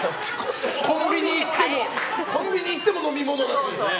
コンビニ行っても飲み物だし。